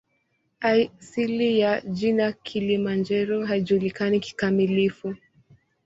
Asili ya jina "Kilimanjaro" haijulikani kikamilifu.